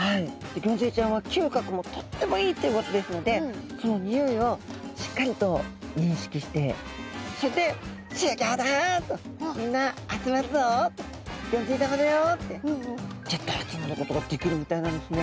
ギョンズイちゃんは嗅覚もとってもいいということですのでそのにおいをしっかりと認識してそれで「集合だ」と「みんな集まるぞ」と「ギョンズイ玉だよ」ってギュッと集まることができるみたいなんですね。